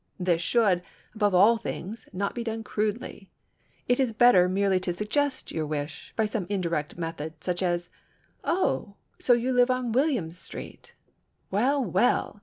This should, above all things, not be done crudely. It is better merely to suggest your wish by some indirect method such as, "Oh—so you live on William Street. Well, well!